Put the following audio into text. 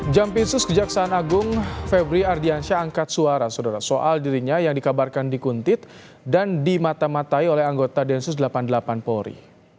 jaminsus kejaksaan agung febri ardiansyah angkat suara saudara soal dirinya yang dikabarkan dikuntit dan dimata matai oleh anggota densus delapan puluh delapan polri